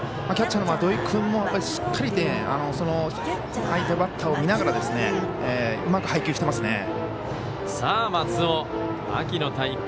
キャッチャーの土肥君もしっかり相手バッターを見ながらうまく配球していますね。